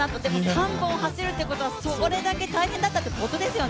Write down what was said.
３本走るってことは、それだけ大変だったってことですよね。